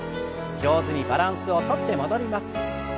上手にバランスをとって戻ります。